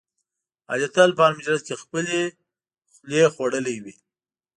علي تل په هر مجلس کې خپلې خولې خوړلی وي.